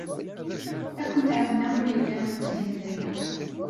Ad kent-ɛawneɣ ma yella ad tgemt aya.